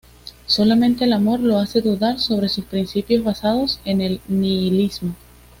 Solamente el amor lo hace dudar sobre sus principios basados en el nihilismo.